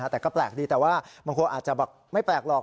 แต่ก็แปลกดีแต่ว่าบางคนอาจจะแบบไม่แปลกหรอก